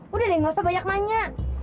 udah deh gak usah banyak nanya